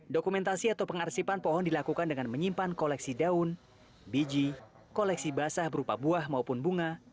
dokumentasi atau pengarsipan pohon dilakukan dengan menyimpan koleksi daun biji koleksi basah berupa buah maupun bunga